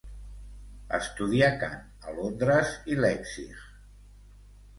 Estudià cant a Londres i Leipzig.